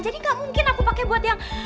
jadi gak mungkin aku pakai buat yang